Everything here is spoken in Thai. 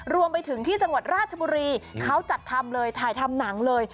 รวมไปถึงที่จังหวัดราชบุรีเขาจัดทำเลยถ่ายทำหนังเลย